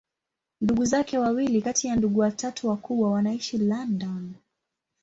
Ndugu zake wawili kati ya ndugu watatu wakubwa wanaishi London.